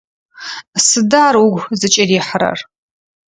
Сыда ар угу зыкӀырихьрэр?